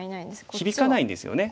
響かないんですよね。